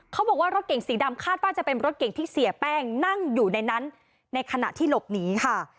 เขาบอกว่ารถเก่งสีดำคาดว่าจะเป็นรถเก่งที่เสียแป้งนั่งอยู่ในนั้นในขณะที่หลบหนีค่ะ